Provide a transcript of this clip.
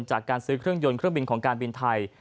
จากการซื้อเครื่องยนต์เครื่องบินของการบินไทย